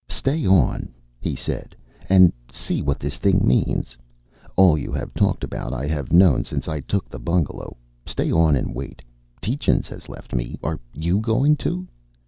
"Stay on," he said, "and see what this thing means. All you have talked about I have known since I took the bungalow. Stay on and wait. Tietjens has left me. Are you going too?"